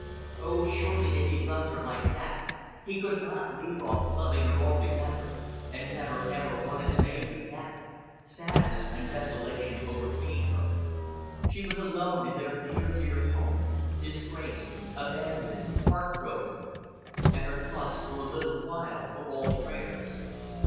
Oh, surely if he loved her like that, he could not leave off loving her altogether, and never, never, want his Mav again. Sadness and desolation overcame her. She was alone in their dear, dear home, disgraced, abandoned, heart broken; and her thoughts for a little while were all prayers.